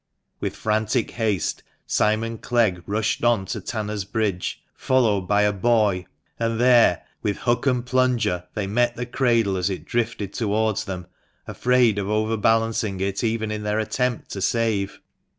With frantic haste Simon Clegg rushed on to Tanners' Bridge, followed by a boy ; and there, with hook and plunger, they met the cradle as it drifted towards them, afraid of over balancing it even in their attempt to save.